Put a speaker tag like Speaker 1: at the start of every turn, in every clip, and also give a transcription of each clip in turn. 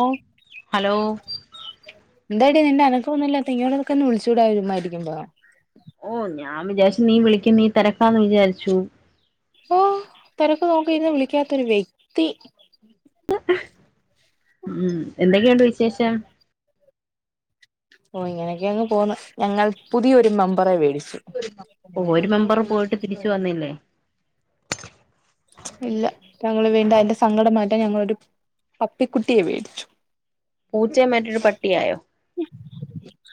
Speaker 1: ഓ
Speaker 2: hello
Speaker 1: എന്തടി നിന്റെ അനക്കോന്നുല്ലാത്തെ ഇങ്ങോട്ട് ക്കൊന്ന് വിളിച്ചൂടെ ചുമ്മാരിക്കുമ്പോ
Speaker 2: ഓ ഞാൻ വിചാരിച്ച് നീ വിളിക്കും നീ തെരക്കാന്ന് വിചാരിച്ചു
Speaker 1: ഓ തെരക്ക് നോക്കിന്ന് വിളിക്കാത്തൊരു വ്യക്തി
Speaker 2: ഉം എന്തൊക്കെയുണ്ട് വിശേഷം
Speaker 1: ഓ ഇങ്ങനെയൊക്കെങ്ങ് പോവുന്നു ഞങ്ങള് പുതിയൊരു മെമ്പറെ വേടി ച്ചു
Speaker 2: ഓ ഒരു മെമ്പർ പോയിട്ട് തിരിച്ചു വന്നില്ലേ
Speaker 1: ഇല്ല ഞങ്ങള് വീണ്ടും അയിന്റെ സങ്കടം മാ ഇപ്പം ഞങ്ങളൊരു പപ്പിക്കുട്ടിയെ വേടിച്ചു
Speaker 2: പൂച്ചയെ മാറ്റിയൊരു പട്ടിയായോ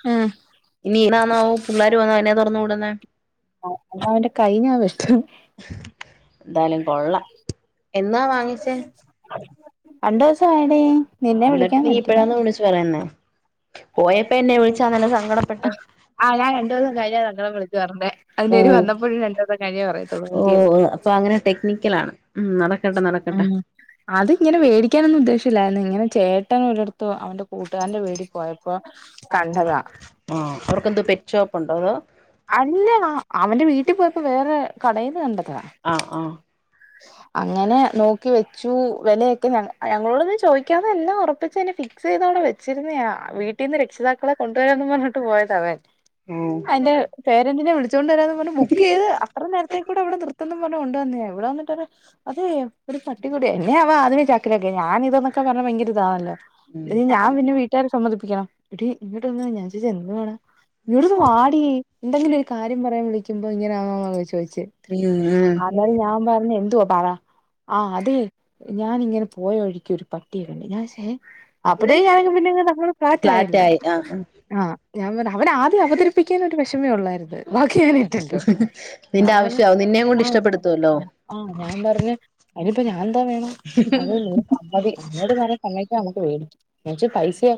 Speaker 1: ആ
Speaker 2: ഇനിഎന്നാന്നാവോ പുള്ളര് വന്ന് അയിനെ തോറന്ന് വിടുന്നേ
Speaker 1: അ അന്നവന്റെ കൈ ഞാൻ വെട്ടും
Speaker 2: എന്തായാലും കൊള്ളാം എന്നാ വാങ്ങിച്ചേ
Speaker 1: ആ രണ്ടുസം ആയടി നിന്നെ
Speaker 2: എന്നിട്ട്
Speaker 1: വിളിക്കാൻ
Speaker 2: നീ
Speaker 1: പറ്റീ
Speaker 2: ഇപ്പഴാന്ന് വിളിച്ചു പറയുന്നേ പോയപ്പോ എന്നെ വിളിച്ചാന്നല്ലോ സങ്കടപ്പെട്ട്
Speaker 1: ആ ഞാൻ രണ്ടുസം കഴിഞ്ഞ സങ്കടം വിളിച്ചു പറഞ്ഞെ. അയിന്റെ
Speaker 2: ഓ
Speaker 1: ഓര് വന്നപ്പോഴും രണ്ടുസം കിഴിഞ്ഞ വ [unintelligible]
Speaker 2: ഓ അപ്പൊ അങ്ങനെ ടെക്നിക്കലാണ് ഉം നടക്കട്ടെ നടക്കട്ടെ
Speaker 1: ആ അത് ഇങ്ങനെ വേടിക്കാനൊന്നു ഉദ്ദേശ ല്ലാര്ന്നു ഇങ്ങനെ ചേട്ടന് ഒരിടത്ത് അവന്റെ കൂട്ട്ക്കാരന്റെ വീടി
Speaker 2: ആ അവർക്കെന്തോ പെറ്റ് ഷോപ്പുണ്ടോ അതോ
Speaker 1: അല്ല അവന്റെ വീട്ടിൽ പോയപ്പോ വേറെ കടയുന്നുണ്ട്
Speaker 2: ആഹ് ആഹ്
Speaker 1: അങ്ങനെ നോക്കി വെച്ചു വെലയൊക്കെ ഞ ഞങ്ങളോട് ഒന്ന് ചോദിക്കാതെ എല്ലാം ഉറപ്പച്ച് തന്നെ ചെയ്തോടെ വെച്ചിരൂന്നാ വീട്ടീന്ന് രക്ഷിതാക്കളെ കൊണ്ട് ദേ പറഞ്ഞിട്ട് പോയതാേ
Speaker 2: ഉം
Speaker 1: പേരന്റിനെ വിളിച്ചോണ്ട് വരാന്ന് പറഞ്ഞ് ബുക്ക് ചെയ്ത് അത്ര നേരത്തേക്കൂടെ ഇവിടെ നിർത്തേണം പറഞ്ഞ് കൊണ്ട് വന്നതാ ഇവിടെ വന്നിട്ട് അതേ ഒരു പട്ടി കൂടി എന്നെ അവ അതിന ചാ ല്ലെടി ഞാനിതൊക്കെ പറഞ്ഞാ ഭയങ്ക ഇതാവല്ലോ ഇ ഞാൻ പിന്നെ
Speaker 2: ഓ
Speaker 1: വീട്ടുകർ സമ്മതിപ്പിക്കണം ഇടി ഇങ്ങോട്ടൊന്ന് ഞാൻ ചോയ്ച്ചു എന്തുവാടാ ഇങ്ങോട്ട് ഒന്ന് വാടി എന്തെങ്കിലും ഒരു കാര്യം പറയാൻ വിളിക്കുപ്പോൾ ഇങ്ങനെ ആെ ചോദിച്ചു
Speaker 2: ഉം ഉം
Speaker 1: എന്നായാലും ഞാൻ പറഞ്ഞ എന്തുവാ പറ ആഹ് അതെ ഞാനിങ്ങനെ പോയ വഴിക്ക് ഒരു പട്ടിയെക്കണ്ട് ഞാൻ ശേ അപ്പട് ഞായങ്ങ് പിന്നങ്ങട് ഫ്ലാറ്റായല്ലാ
Speaker 2: ഫ്ലാറ്റായി ആഹ്
Speaker 1: ആഹ് ഞാൻ പറ അവന് ആദ്യം അവതരിപ്പിക്കാൻ ഒരു വെഷ് ന്നെ ഒള്ളാര്ന്ന് ബാക്കി ഞാഞാനേറ്റല്ലോ
Speaker 2: നിന്റെ ആവശ്യാവും നിന്നെയും കൊണ്ട് ഇഷ്ടപ്പെടുത്തുവല്ലോ
Speaker 1: ആഹ് ഞാൻ പറഞ്ഞഞ് അതിനിപ്പ ഞാനെന്താ വേണം [unintelligible] സമ്മതി അമ്മേട് പറഞ് സമ്മയ്ച്ച അങ്ങട് വരും ച്ച് പൈസയാ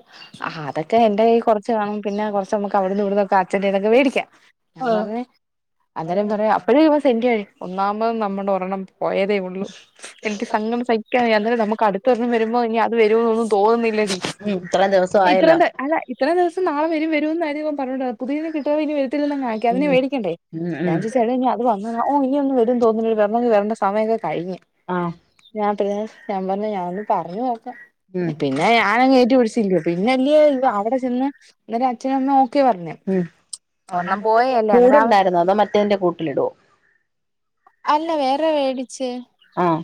Speaker 1: ആഹ് അതൊക്കെ എന്റെ കയ്യി കൊറച്ച് കാണും പിന്നെ കൊറച് ച്ചനമക്ക് അവിടുന്നും ഇവിടുന്നും എടുത്ത് ആക് ചന്തെന്നൊക്കെ മേടി യ്ക്കാ ഞാൻ പറഞ് അന്നേരം പറയാ അപ്പഴെ ഇവക് ഇതെന്റയാണ് ഒന്നാമത് നമ്മട ഒരെണ്ണം പോയതേ ഒള്ളൂ എനിക്ക് സങ്കടം സഹിക്കാൻ വയ്യ അന്നേരം നമുക്ക് അടുത്തരെണം വരുമ്പോ ഇനി അത് വരൂ എന്നൊന്നും തോന്നുന്നില്ലഡി
Speaker 2: ഉം ഇത്രയും ദിവസം
Speaker 1: ഇത്ര
Speaker 2: ആയല്ലോ
Speaker 1: അല്ല ഇത്രേം ദിവസം നാളെ വരും വരും ന്നാടി ഒ പറഞ്ഞുഡാ പുതിയത് കിട്ടൻ വലിയ വെ ത്തില്ലല്ലോന്ന്
Speaker 2: ഉം
Speaker 1: ആയിക്കാതന്നേടിക്കണ്ടേ
Speaker 2: ഉം
Speaker 1: ഞാൻ
Speaker 2: ഉം
Speaker 1: ചോയിച്ചെഡാ ഇനി അത് വന്ന് ആ ഇനി ഒന്ന് വരുംന്ന് തോന്ന് ന്നില്ല വരണോങ്കി വരണ്ട സ് സമയകറ് കഴിഞ്
Speaker 2: ആഹ്
Speaker 1: ഞാൻ തെ ഞാൻ പറഞ് ഞാനൊന്ന് പറഞ് നോക്ക്
Speaker 2: ഉം
Speaker 1: പിന്നെ ഞാനങ്ങ് ഏറ്റ് പിടിച്ചില്യോ പിന്നെല്ലേ ഇവ അവിട ചെന്ന് ഇവര അച്ഛനമ്മ ഓക്കെ പറഞ്
Speaker 2: [unintelligible] കുട് ഉണ്ടായിരുന്നോ അതോ മറ്റേന്റെ കൂട്ടിലിടുവോ
Speaker 1: അല്ല വേറെ വേടിച്ച്
Speaker 2: ആഹ്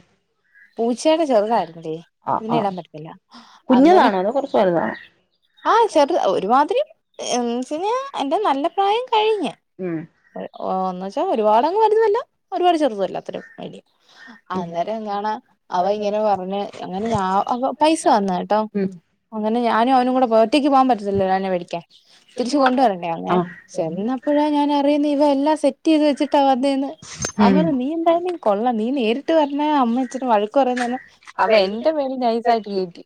Speaker 1: പൂച്ചേടെ ചെറുതാര്ന്നടി
Speaker 2: ആഹ്
Speaker 1: ഇതിനെ
Speaker 2: ആഹ്
Speaker 1: ഇടാൻ പറ്റത്തില്ല അന്നേരം
Speaker 2: കുഞ്ഞതാണോ അതോ കൊറച്ച് വലുതാണോ
Speaker 1: ആഹ് ചെറു ഒരുമാതിരി ആഹ് ച്ചേ എന്റെ നല്ല പ്രായം ക കഴിഞ്
Speaker 2: ഉം
Speaker 1: ഒഹ് അന്ന സ് ഓ ഒരുപാട് അങ് വലുതുവല്ല ഒരുപാട് ചെറുതുവല്ല ത്രെ ഉള്ളു [unintelligible] അന്നേരം എങ്ങണാ അവ ഇങ്ങനെ പറഞ്ഞ് അങ്ങനെ പൈസ തന്ന് കേട്ടോ
Speaker 2: ഉം
Speaker 1: അങ്ങനെ ഞാനും അവനും കൂടെ പോയി ഒറ്റക് പോവാൻ പറ്റത്തിലല്ലോ അതിനാ വേടിക്കാൻ തിരിച്ച് കൊണ്ടുവരണ്ടെ അങ്ങനെ
Speaker 2: ആഹ്
Speaker 1: ചെന്നപ്പഴാ ഞാൻ അറിയുന്നേ ഇവൻ എല്ലാം സെറ്റ് ചെയ്ത് വെച്ചിട്ടാ വന്നേന്ന് അവൻ
Speaker 2: ഉം
Speaker 1: പറഞ്ഞു നീ എന്തായാലും കൊള്ളാം നീ നേരി ട്ട് പർഞ്ഞു അമ്മയ് [unintelligible] വഴക്ക് പറയ്ന്നയ്ന് അവ എന്റെ പേരിൽ നൈസ ആയിട്ട് കറ്റി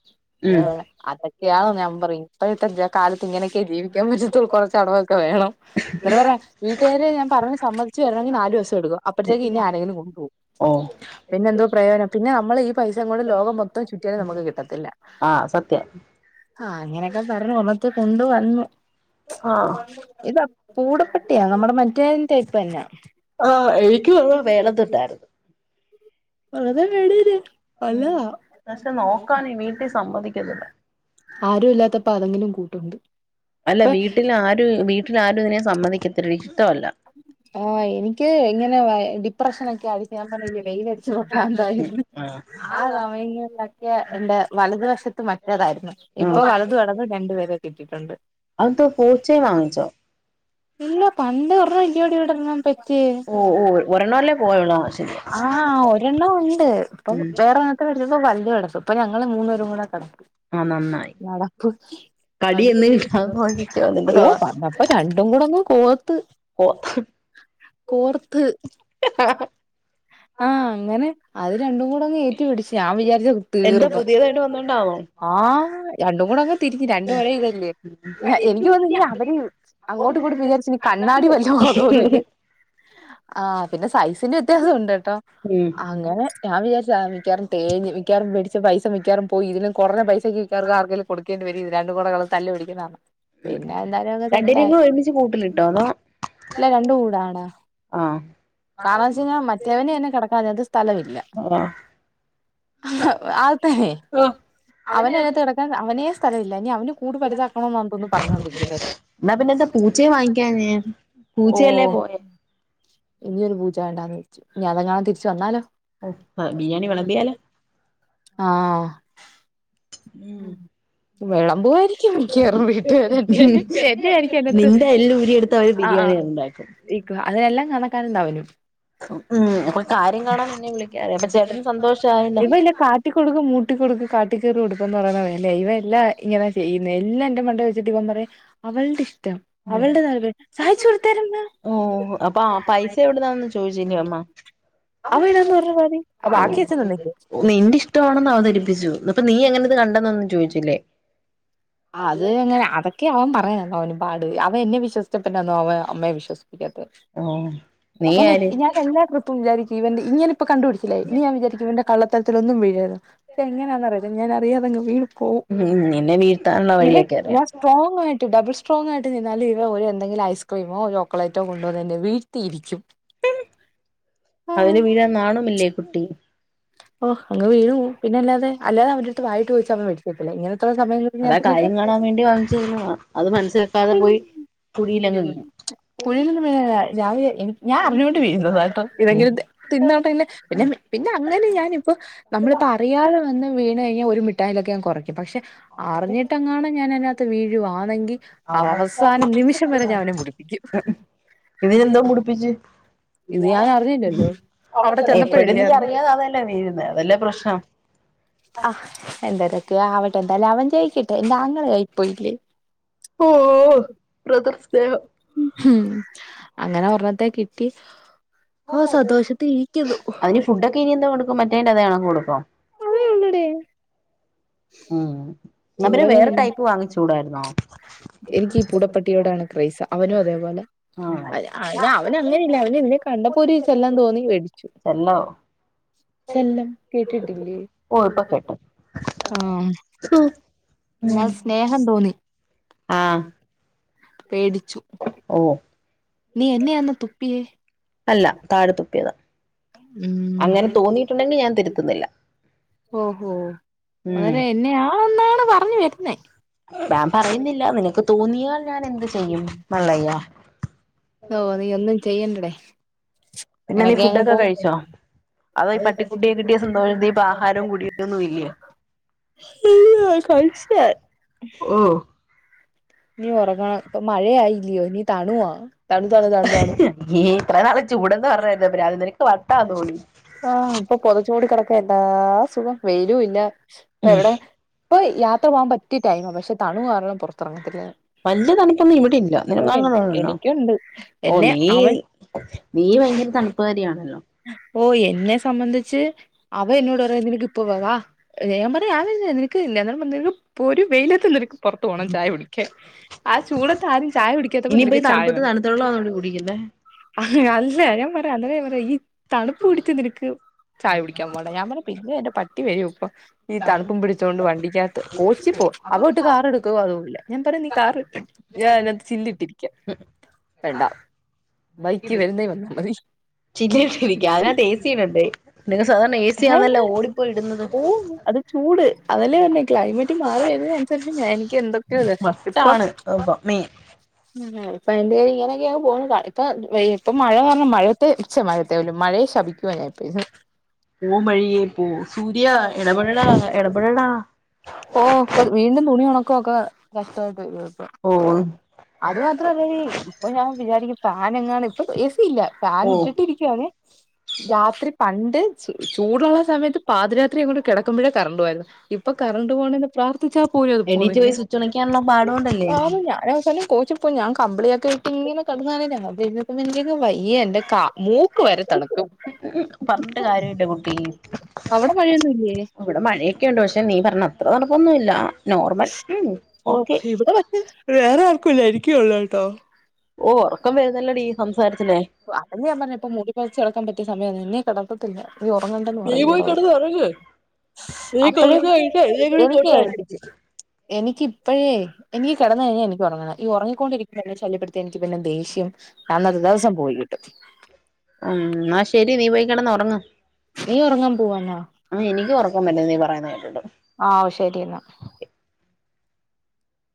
Speaker 2: ഉം
Speaker 1: [unintelligible] അതക്കെയാ ന്നവൻ പറയ്‌ന്ന് ത്രെ തറീഞാ കാലത്ത് ഇങ്ങനെക്കയ ജീവി ക്യോ ഇങ്ങനത്ത കുറച്ച് അടവൊക്കെ വേണം എന്നിട്ട പറയുവാ വീട്ടുകാര് ഞാൻ പറഞ്ഞ സമ്മതിച്ചു വരണമെങ്കിൽ നാലിവസം എടുക്കും അപ്പഴത്തേക്ക് ഇതിനേ ആരെങ്കില് കൊണ്ട്പോകും
Speaker 2: ഓഹ്
Speaker 1: പിന്നെ എന്തോക്ക പ്രയോജനം പിന്നെ നമ്മൾ ഈ പൈസയും കൊണ്ട് ലോകം മൊത്തം ചുറ്റിയാലും നമുക്ക് കിട്ടത്തില്ല.
Speaker 2: ആഹ് സത്യം
Speaker 1: ആ അങ്ങനെയൊക്കെ പറഞ്ഞു ഒരുര്ന്നതാ കൊണ്ട് വന്നു.
Speaker 2: ആഹ്
Speaker 1: ഇത് അ പൂട പട്ടി നമ്മുടെ മറ്റേന്റെ അത് തന്ന
Speaker 2: ആ എനിക്കും ഒന്നു വേണമം എന്ന ഇണ്ടാർന്നു
Speaker 1: വെറുതെ വെടിക് നല്ലതാ
Speaker 2: പക്ഷെ നോക്കാൻ ഈ വീട്ടിൽ സമ്മതിക്കുന്നില്ല
Speaker 1: ആരൂല്ലാത്തപ്പ അതെങ്കിലും കൂ ട്ടുണ്ട്.
Speaker 2: അല്ല വീട്ടില് ആരും വീട്ടിലാരും ഇതിനെ സമ്മതിക്കത്തില്ല ഇഷ്ടമല്ല
Speaker 1: ആ എനിക്ക് ഇങ്ങനെ ഡിപ്രഷനൊക്കെ അടിച്ച് ഞാൻ പറഞ്ഞില്ല ആ സമയങ്ങളിലൊക്കെ എന്റെ വലതു വശത്ത് മറ്റേതായിരുന്നു. ഇപ്പൊ
Speaker 2: ഉം
Speaker 1: വലതും ഇടതും രണ്ടുപേര് കിട്ടിട്ടുണ്ട്
Speaker 2: അതെന്തോ പൂച്ചയെ വാങ്ങിച്ചോ
Speaker 1: ഇല്ല പണ്ട് ഒരണ്ണം ഇടണ്ണം പെറ്റ്.
Speaker 2: ഓ ഓ ഒരെണ്ണല്ലേ പോയുള്ളൂ ആ ശരി
Speaker 1: ആ ഒ രണ്ടെണ്ണം ഉണ്ട് ഇപ്പം
Speaker 2: ഉം
Speaker 1: വേറെണ്ണത്തിനെ ഒരുദിവസം വൽ കിടക്കും ഇപ്പൊ ഞങ്ങള് മൂന്ന് പേരും കൂടെവകിടക്കുന്ന
Speaker 2: ആ നന്നായി
Speaker 1: നടപ്പ്
Speaker 2: കടി എന്ന് കിട്ടാ നിന്റെ
Speaker 1: ഓ വന്നപ്പോ രണ്ടും കൂടൊന്നും ത്ത് കോർത്ത് ആ അത് രണ്ടും കൂ ടെ ഏറ്റി പിടിച്ച്. ഞാൻ വിചാരിച്ച്
Speaker 2: എന്താ
Speaker 1: തീർന്ന്.
Speaker 2: പുതിയതായിട്ട് വന്നോണ്ടാണോ
Speaker 1: ആ രണ്ടും കൂടെ അങ്ങ് തിരിഞ്ഞ് രണ്ടും ഒരെ ഇതല്ലേ. എനിക്ക് തോനുന്നു അവര് അങ്ങോട്ടും ഇങ്ങോട്ടും വിചാരിച്ച് ഇനി കണ്ണാടി വല്ലോം ആണോന്നു. ആ പിന്നെ സൈസിന്റെ വ്യത്യാസം ഉണ്ട് കേട്ടോ.
Speaker 2: ഉം
Speaker 1: അങ്ങനെ ഞാൻ വിജാ സ്സ മിക്കവാറും തേഞ്ഞ് മിക്കവാറും മേടിച്ച പൈസ മിക്കവാറും പോയി. ഇതിലും കുറഞ്ഞ പൈസ ക്ക് മിക്കവാറും ആർക്കേലും കൊടുക്കേണ്ടി വരും ഇത് രണ്ടും കൂട കള തല്ല് പിടിക്ക്ന്ന കാരണം പിന്നെ എന്താലും ഒക്കെ
Speaker 2: രണ്ടിനേം
Speaker 1: സെറ്റായി.
Speaker 2: കൂടെ ഒരുമിച്ച് കൂട്ടിലിട്ടോ അതോ
Speaker 1: ഇല്ല രണ്ട് കൂടാടാ.
Speaker 2: ആഹ്
Speaker 1: കാരണന്ന് വെച്ച് കഴിഞ്ഞാ മറ്റേവനന്നെ കിടക്കാനത് സ്ഥലമില്ല.
Speaker 2: ആഹ്
Speaker 1: ആ അതെ അവനയിനത്ത് കിടക്കാൻ അവനെ സ്ഥലവില്ല ഇനി അവനു കൂട് വലുതാക്കണൊന്നാൻതോന്ന് പറഞ്ഞോണ്ടിരിക്കുന്നെ
Speaker 2: എന്നാ പിന്നെ എന്താ പൂച്ചയെ വാങ്ങിക്കാഞ്ഞേ
Speaker 1: ഇപ്പൊ ഓ
Speaker 2: പൂച്ചയല്ലേ പോയെ
Speaker 1: ഇനി ഒരു പൂച്ച വേണ്ടാന്ന് വെച്ചു. ഇനി അതെങ്ങാനും തിരിച്ചു വന്നാലോ?
Speaker 2: ആ ബിരിയാണി വിളമ്പിയാല്-
Speaker 1: ആ വിളമ്പൂആയിരിക്കും മിക്കവാറും വീട്ടുകാരെന്റെ ത്തെന്നെയായിരിക്കും എന്നത്ത്
Speaker 2: നിന്റെ എല്ല് ഊരിയെടുത്ത് അവര്
Speaker 1: ആ ആ
Speaker 2: ബിരിയാണി ഉണ്ടാക്കും
Speaker 1: അതെല്ലം കണ ക്കൽണ്ടാവേനും
Speaker 2: ഉം അപ്പൊ കാര്യം കാണാൻ എന്നെ വിളിക്കാറ് അപ്പൊ ചേട്ടന് സന്തോഷായല്ലോ
Speaker 1: ഇപ്പൊ ഇല്ല കാട്ടികൊടുക്കും മൂട്ടികൊടുക്കും കാട്ടിക്കേറോട് ഇപ്പന്ന് പറയുന്ന വേലെയാ ഇവ എല്ലാ ഇങ്ങന ചെയ്യുന്നെ എല്ലാ എന്റെ മണ്ടെ വെച്ചിട്ട് ഇവൻ പറയും അവളുടെ ഇഷ് അവളുടെ നേ സാധിച്ചു കൊടുത്തലെന്താ
Speaker 2: ഓ അപ്പൊ ആ പൈസ എവിടുന്നാന്ന് ചോദിച്ചില്ലേ അമ്മ
Speaker 1: അവൻ ഇടാന്ന് പറഞ്ഞ പാതി അ ബാക്കി അച്ഛൻ തന്നേക്ക്
Speaker 2: നിന്റെ ഇഷ്ടമാണെന്ന് അവതരിപ്പിച്ചു അപ്പൊ നീ എങ്ങനെ കണ്ടെന്നൊന്നും ചോദിച്ചില്ലേ?
Speaker 1: അത് എങ്ങനെ അതൊക്കെയ അവൻ പറയ അവന് പാട് അവ എന്നെ വിശ്വസിച്ചപിന്നാണോ അവ അമ്മേവിശ്വസി-
Speaker 2: ഓ നീ ആര്
Speaker 1: ഞാൻ എല്ലാ ട്രിപ്പും വിചാരിക്കും ഈവൻ ഇങ്ങന- പ്പോ കണ്ടപിടിച്ചില്ലേ ഇനി ഞാൻ വിചാരിക്കു ഇവന്റെ- കള്ളത്തരത്തിലൊന്നും വീഴരുന്നു പക്ഷെ എങ്ങനാന് അറിയത്തി ഞാന അറിയതങ്ങ വീണു- പോവും
Speaker 2: ഉം നിന്നെ വീഴ്ത്താനുള്ള
Speaker 1: ഇവൻ
Speaker 2: വഴിയൊക്കെ അറിയാം
Speaker 1: ഞാൻ സ്ട്രോങ്ങ്‌ ആയിട്ട്- ഡബിൾ സ്ട്രോങ് ആയിട്ട് നിന്നാലും ഇവ ഒരു എന്തെങ്കിലും ഐസ്ക്രീമോ ചോക്ലേറ്റോ കൊണ്ടുവന്ന്, എന്നെ വീഴത്തിരിക്കും. ഹാ
Speaker 2: അതിന് വീഴാൻ നാണമില്ലേ കുട്ടി
Speaker 1: അങ് വീണു പോവും പിന്നല്ലാതെ. അല്ലതെ അവന്റെടുത്ത് വായിട്ട് ചോദിച്ച അവൻ വെടിച്ചേരുത്തില്ല ഇങ്ങനെത്തുള്ള സമയം ഞാൻ
Speaker 2: അതാ
Speaker 1: തിന്നട്ടെ
Speaker 2: കാര്യം കാണാൻ വേണ്ടി വാങ്ങിച്ചരുന്നതാ അത് മനസ്സിലാക്കാതെ പോയി കുഴിയിലങ്ങ് വീഴും
Speaker 1: കുഴിൽ ഒന്നും വിഴനേ അല്ല ഞാൻ അറിഞ്ഞൊണ്ട് വിഴുനാതാ കേട്ടോ ഇതെങ്കിലും തിന്നോട്ടെ പിന്നെ പിന്നെ അങ്ങനെ ഞാനിപ്പോ നമ്മളിപ്പോ അറിയാതെ വന്ന് വീണ കഴിഞ്ഞാ ഒരു മി ട്ടായിലോക്കെ അങ്ങ കെറയ്ക്കും പക്ഷേ അറിഞ്ഞിട്ടങ്ങാണം ഞാൻ ത്ത് വീഴുവാന്നെങ്കിൽ അവസാന നിമിഷം വരെ ഞാൻ അവനെ മുടിപ്പിക്കും
Speaker 2: ഇതിനെന്തോ മുടിപ്പിച്ച്
Speaker 1: ഇത് ഞാൻ അറിഞ്ഞില്ലല്ലോ അവിടെ
Speaker 2: എപ്പോഴും
Speaker 1: ചെന്നപ്പോഴല്ലേ
Speaker 2: നീ
Speaker 1: അറിഞ്ഞേ
Speaker 2: അറിയാതെ അതല്ലേ വീഴുന്നെ അതല്ലേ പ്രശ്നം
Speaker 1: ആഹ് എന്തരൊക്കെ ആവ എന്തല്ലാവൻ ജയിക്കട്ടെ എന്റെ ആങ്ങള ആയിപ്പോയില്ലേ
Speaker 2: ഓഹ് ബ്രദർസ്നേഹം
Speaker 1: ഉം അങ്ങനെ ഒരണ്ണത്തെ കിട്ടി ഓ സന്തോഷത്തി ഇരിക്കുന്നു
Speaker 2: അതിന് ഫുഡ്‌ ഒക്കെ ഇനി എന്ത് കൊടുക്കും മറ്റേന്റെ അതാണക്ക് കൊടുക്കുവോ
Speaker 1: ഇവിടെ
Speaker 2: വേറെ ടൈപ്പ് വാങ്ങിച്ചൂടായിരുന്നോ
Speaker 1: എനിക്ക് ഈ പൂടപ്പട്ടിയോടാണ് ക്രസ് അവനും അതേപോലാ
Speaker 2: ആഹ്
Speaker 1: അവൻ അങ്ങനെയില്ല അവൻ ഇതിനെ കണ്ടപ്പോ ഒരു ചെല്ലം തോന്നി വേടിച്ചു
Speaker 2: ചെല്ലോ
Speaker 1: ചെല്ലം കേട്ടിട്ടില്ലേ ആഹ്
Speaker 2: തു ഉം
Speaker 1: എന്നാൽ സ്നേഹം തോന്നി
Speaker 2: ആ
Speaker 1: പേടിച്ചു നീ എന്നെന്നെയയന്ന തുപ്പിയേ
Speaker 2: അല്ല താഴെത്തുപ്പിയതാ
Speaker 1: ഉം
Speaker 2: അങ്ങനെ
Speaker 1: തോന്നി.
Speaker 2: തോന്നിയിട്ടുണ്ടെങ്കിൽ ഞാൻ തിരുത്തുന്നില്ല
Speaker 1: ഓഹോ
Speaker 2: ഉം
Speaker 1: അതരെ എന്നെയാ ആന്നാണ് പറഞ്ഞു വരുന്നേ
Speaker 2: ഞാൻ പറയുന്നില്ല നിനക്ക് തോന്നിയാൽ ഞാൻ എന്ത് ചെയ്യും മള്ളയ്യ
Speaker 1: ഓ നീ ഒന്നും ചെയ്യണ്ടടേ
Speaker 2: പിന്നെ നീ
Speaker 1: എനക്കെ അങ്ങ്
Speaker 2: ഫുഡൊക്കെ
Speaker 1: പോന്നു
Speaker 2: കഴിച്ചോ അതോ ഈ പട്ടിക്കുട്ടിയെ കിട്ടിയ സന്തോഷത്തി ഇപ്പൊ ആഹാരവും കുടിയൊന്നും ഇല്ലേ
Speaker 1: കഴിച്ചതാ
Speaker 2: ഓ
Speaker 1: നീ ഒറങ്ങണം ഇപ്പൊ മഴ ആയില്ലയോ നീ തണുവാ തണു തണു തണു തണു
Speaker 2: ഈ ഇത്ര നാള് ചൂടെന്ന് പറഞ്ഞായിരുന്നു പിന്നെ അത് നിനക്ക് വട്ടാന്ന് തോന്നി
Speaker 1: ആ ഇപ്പൊ പൊതച്ചോട കിടക്ക എന്താ അ സുഖം വെയിലും ഇല്ല ഇപ്പ എവിടെ ഇപ്പൊ യാത്ര പോകാൻ പറ്റിയ ടൈം പക്ഷെ തണു കാരണം പുറത്തിറങ്ങ അെ
Speaker 2: വലിയ തണുപ്പൊന്നും ഇവിട്ട ഇല്ല നിലക്കാലങ്ങളന്നല്ലോ
Speaker 1: എനിക്കുണ്ട്
Speaker 2: ഓ
Speaker 1: എന്നെ
Speaker 2: നീ
Speaker 1: അവൻ
Speaker 2: നീ ഭയങ്കര തണുപ്പുകാരിയാണല്ലോ
Speaker 1: ഓ എന്നെ സംബന്ധിച്ച് അവ എന്നോട് പറ നിനക്ക് ഇപ്പവാവാ ഞ അല്ല എനക്ക് ഇല്ല ഇപ്പോൾ ഒരു വെയിലത്ത നിക്ക് പുറത്ത് പോണം ചായൊടിക്കാൻ ആ ചൂടത്ത് ആരും ചായ പിടിക്കാത്തപ്പോ
Speaker 2: ഇനിയിപ്പോ ഈ
Speaker 1: നിനക്ക് ചായ
Speaker 2: തണുപ്പത്ത്
Speaker 1: വേ
Speaker 2: തണുത്തുള്ളാന്നോടി കുടിക്കുന്നേ
Speaker 1: അല്ല ഞാൻ പറയാ അന്ന പറയാ ഈ തണുപ്പ് പിടിച്ച് നിനക്ക് ചായ പിടിക്കാൻ പോല ഞാൻ പറയാ അല്ല എാ പട്ടി വരൂ ഇപ്പ ഈ തണുപ്പും പിടിച്ചുകോണ്ട് വണ്ടിക്കകത്ത് കോച്ചി പോ അവോട്ട് കാർ എടുക്കുവോ അതുംല്ലേ ഞാൻ പറയാ നീ കാർ ഞാത്ത് ചില്ല ഇട്ടിരിക്ക വേണ്ട ബൈക്ക് വരുന്നേ വന്നാൽ മതി [inaudible]
Speaker 2: ചില്ലട്ട ഇരിക്ക അതിനകത്ത് ഏ സിയിടണ്ടേ നിങ്ങ സാധാരണ ഏ സിയാന്നല്ല ഓടിപ്പോ ഇടുന്നത്
Speaker 1: ഓ അത് ചൂട് അതല്ലേ പറന്നെ ക്ലൈമറ്റ് മാറി വരുന്നതിനനുരിച്ച് ഞാ എനിക്ക് എന്തക്ക
Speaker 2: മ്ടാണ് മീൻ
Speaker 1: അപ്പ എന്തായാലും ഇങ്ങനൊക്കെ പോ ഇപ്പൊ ഇപ്പ മഴ കാരണം മഴത്ത് [inaudible] പോലും മഴയെ ശപിക്കുവാ ഞാ ഇപ്പോരുന്നു
Speaker 2: പോം വഴിയേ പോ സൂര്യ ഇടപെടടാ ഇടപെടടാ
Speaker 1: ഓ ഇപ്പ വീണ്ടും തുണിയൊണ ക്കുക്ക കഷ്ടമായിട്ട്
Speaker 2: ഓ
Speaker 1: അത് മാത്ര അല്ല ഇപ്പൊ ഞാൻ വിചാരിക്ക താന എങ്ങാണ് [inaudible] ഇല്ല ഫാൻ
Speaker 2: ഓ
Speaker 1: ഇട്ടിട്ടി ഇരിക്കാണ് രാത്രി പണ്ട് ച ചൂടുള്ള സമയത്ത് പാതിരാത്രി അങ്ങോട്ട് കിടക്കുമ്പോഴേ കറണ്ട് പോയിരുന്നു ഇപ്പൊ കറണ്ട് പോകണന്ന് പ്രാർത്ഥിച്ചാൽ പോലും അത്
Speaker 2: എണീറ്റ് പോയി
Speaker 1: പോുന്നില്ലേ
Speaker 2: സ്വിച്ച് ഒണക്കാനുള്ള പാടുകൊണ്ടല്ലേ
Speaker 1: ആ ഞാൻ അവസാനം കോച്ചി പോയി ഞാൻ കമ്പിളിയൊക്കെയിട്ടിങ്ങനെ [unintelligible] വയ്യ എന്റെ കാ മൂക്ക് വരെ തണത്തു
Speaker 2: പറഞ്ഞിട്ട് കാര്യമില്ല കുട്ടി
Speaker 1: അവിടെ മഴയൊന്നുമില്ലേ
Speaker 2: ഇവിടെ മഴയൊക്കെ ഉണ്ട് പക്ഷെ നീ പറഞ്ഞ അത്ര തണുപ്പൊന്നുമില്ല നോർമൽ ഉം
Speaker 1: ഓ
Speaker 2: ഓക്കെ
Speaker 1: ഇവിടെ പക്ഷേ വേറെ ആർക്കുമില്ലാ എനിക്കെ ഉള്ളു ത്തോ
Speaker 2: ഓ ഉറക്കം വരുന്നില്ലടി
Speaker 1: അതല്ലേ ഞാൻ പറഞ്ഞെ ഇപ്പോ മൂടിപോതച്ച് കിടക്കാൻ പറ്റത്തി സമയാന്നെന്ന് ഇനി കിടക്കത്തില്ല നീ ഉറങ്ങണ്ടന്ന്
Speaker 2: നീ
Speaker 1: പറയും
Speaker 2: പോയി
Speaker 1: ഇവിടെള്ളോര്
Speaker 2: കിടന്ന് ഉറങ്ങ് നീ
Speaker 1: അപ്പഴേ
Speaker 2: കൊർച്ച് പൈസ എന്നെ കൂടി കൊണ്ട്
Speaker 1: എനിക്കെ
Speaker 2: അടുപ്പിച്ച്
Speaker 1: എനിക്കിപ്പഴേ എനിക്ക് കിടന്ന് കഴിഞ്ഞാൽ എനിക്ക് ഉറങ്ങണം ഈ ഉറങ്ങിക്കൊണ്ടിരിക്കുന്ന ശല്യപ്പെടുത്തിയാ എനിക്ക് വര്ന്ന ദേഷ്യം അന്നത്തെ ദിവസം കിട്ടും
Speaker 2: ഉം ആ ശരി നീ പോയ്‌ കിടന്ന് ഉറങ്ങ്
Speaker 1: നീ ഉറങ്ങാൻ പോവാന്നോ
Speaker 2: ആ എനിക്ക്‌ ഉറക്കം വരുന്നു നീ പറയുന്ന കേ
Speaker 1: ആ ശരി എന്നാ